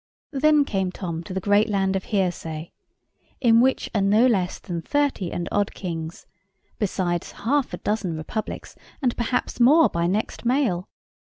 Then came Tom to the great land of Hearsay, in which are no less than thirty and odd kings, beside half a dozen Republics, and perhaps more by next mail.